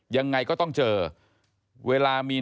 ยังไงก็ต้องเจอ